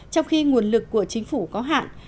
trong khi nguồn lực của chính phủ có hạn